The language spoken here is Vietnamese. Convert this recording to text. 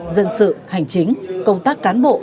dân sự hành chính công tác cán bộ